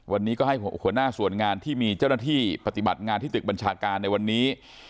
วันนี้ก็ให้หัวหน้าส่วนงานที่มีเจ้าหน้าที่ปฏิบัติงานที่ตึกบัญชาการในวันนี้